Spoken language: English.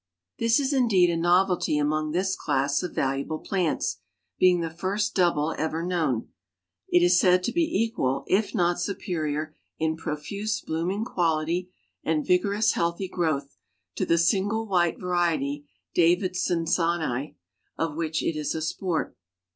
This is indeed a novelty among this class of valuable plants, being the first double ever known. It is said to be equal if not superior, in profuse blooming quality, and vigorous, healthy growth, to the single white variety, Davidsonii, of which it is a sport.